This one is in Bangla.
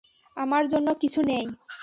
আমার জন্য কিছু নেই।